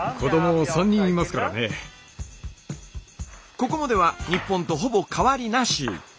ここまでは日本とほぼ変わりなし。